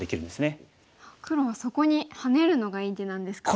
黒はそこにハネるのがいい手なんですか。